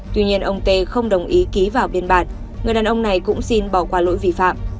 tuy nhiên ông tê không đồng ý ký vào biên bản người đàn ông này cũng xin bỏ qua lỗi vi phạm